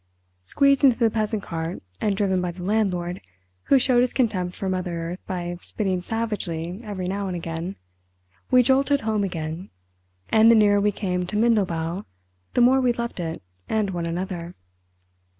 Squeezed into the peasant cart and driven by the landlord, who showed his contempt for mother earth by spitting savagely every now and again, we jolted home again, and the nearer we came to Mindelbau the more we loved it and one another.